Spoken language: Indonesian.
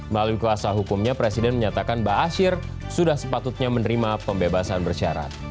melalui kelasa hukumnya presiden menyatakan ba'asyir sudah sepatutnya menerima pembebasan bersyarat